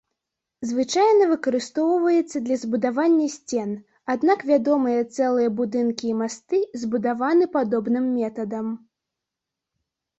Звычайна выкарыстоўваецца для збудавання сцен, аднак вядомыя цэлыя будынкі і масты, збудаваны падобным метадам.